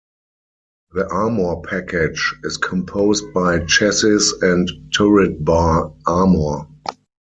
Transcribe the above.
The armour package is composed by chassis and turret bar armour.